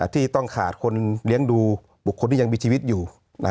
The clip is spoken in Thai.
ที่ต้องขาดคนเลี้ยงดูบุคคลที่ยังมีชีวิตอยู่